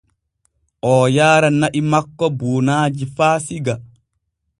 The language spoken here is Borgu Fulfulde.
Oo yaara na’i makko buunaaji faa Siga.